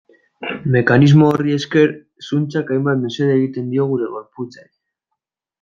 Mekanismo horri esker, zuntzak hainbat mesede egiten dio gure gorputzari.